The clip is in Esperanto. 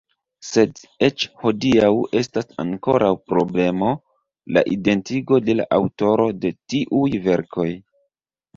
Sed eĉ hodiaŭ estas ankoraŭ problemo la identigo de la aŭtoro de tiuj verkoj.